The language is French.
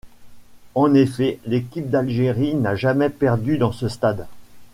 En effet, l'équipe d'Algérie n'a jamais perdu dans ce stade.